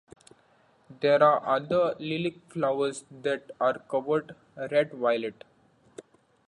There are other lilac flowers that are colored red-violet.